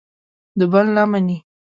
د بل نه مني.